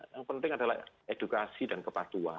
yang penting adalah edukasi dan kepatuan